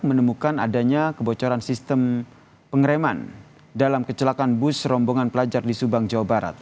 menemukan adanya kebocoran sistem pengereman dalam kecelakaan bus rombongan pelajar di subang jawa barat